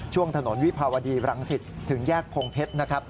ช่วงถนนวิภาวดีรังศิษย์ถึงแยกพงเพชร